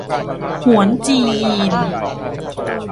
หวนจียีน